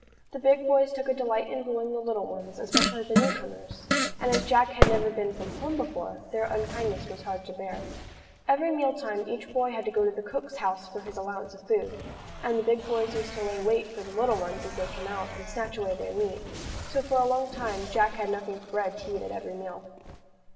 The big boys took a delight in bullying the little ones, especially the new comers; and as Jack had never been from home before, their unkindness was hard to bear. Every meal time each boy had to go to the cook's house for his allowance of food, and the big boys used to lay wait for the little ones as they came out, and snatch away their meat; so for a long time Jack had nothing but bread to eat at every meal.